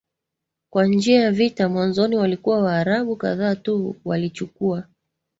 kwa njia ya vita Mwanzoni walikuwa Waarabu kadhaa tu walichukua